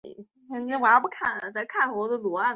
听说是世界上最有公信力的奖